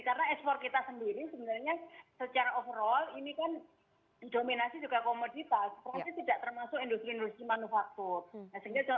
karena ekspor kita sendiri sebenarnya secara overall ini kan didominasi juga komoditas